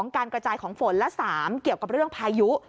การกระจายของฝนและ๓เกี่ยวกับเรื่องพายุ